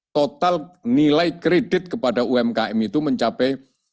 total nilai kredit kepada umkm itu mencapai